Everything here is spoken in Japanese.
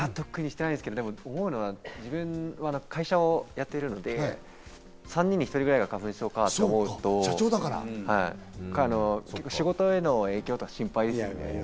いや、自分は会社をやってるので３人に１人ぐらいが花粉症かと思うと、仕事への影響とか心配ですね。